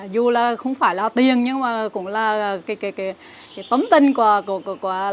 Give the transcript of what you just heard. dù không phải là tiền nhưng cũng là tấm tin của những người